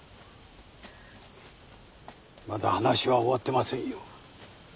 まだ話は終わってませんよ。